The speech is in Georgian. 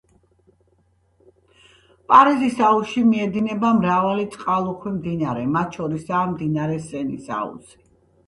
პარიზის აუზში მიედინება მრავალი წყალუხვი მდინარე, მათ შორისაა მდინარე სენის აუზი.